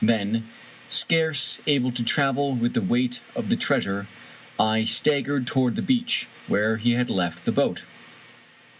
Then, scarce able to travel with the weight of the treasure, I staggered toward the beach, where we had left the boat.